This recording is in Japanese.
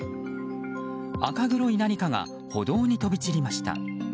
赤黒い何かが歩道に飛び散りました。